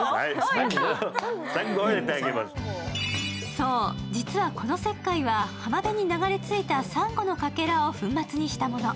そう、実はこの石灰は浜辺に流れ着いたさんごのかけらを粉末にしたもの。